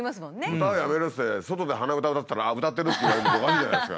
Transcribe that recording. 歌やめるっつって外で鼻歌歌ってたら「あっ歌ってる！」って言われるのもおかしいじゃないですか。